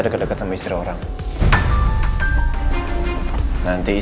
jangan lupa subscribe channel ini